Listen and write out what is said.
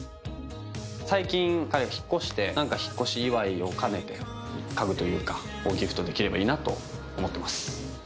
最近彼は引っ越して何か引っ越し祝いを兼ねて家具というかをギフトできればいいなと思ってます。